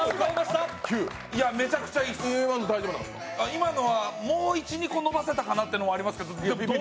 今のはもう１２個伸ばせたかなというのはありましたけど。